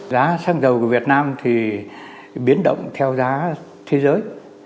giá xăng dầu của việt nam thì biến động theo giá thế giới